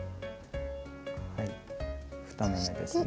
２目めですね。